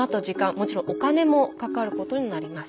もちろんお金もかかることになります。